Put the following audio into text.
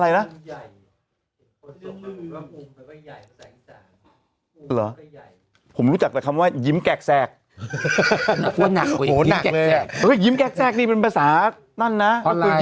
เรื่องชื่อคือเรื่องชื่อคือเรื่องใหญ่